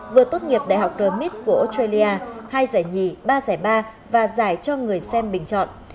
vừa tốt nghiệp đại học rít của australia hai giải nhì ba giải ba và giải cho người xem bình chọn